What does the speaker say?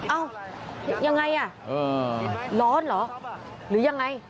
เอ้ายังไงอ่ะร้อนเหรอหรือยังไง